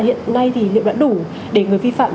hiện nay thì liệu đã đủ để người vi phạm